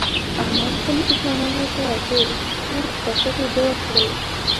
احمد خپلو دوښمنانو ته د سره په کاسه کې اوبه ورکړې.